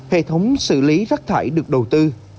hệ thống xử lý rắc thải được đầu tư